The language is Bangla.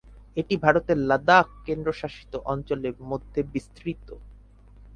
এটি ভারতের লাদাখ কেন্দ্রশাসিত অঞ্চলে মধ্যে বিস্তৃত।